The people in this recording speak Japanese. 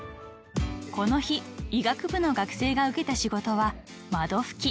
［この日医学部の学生が受けた仕事は窓拭き］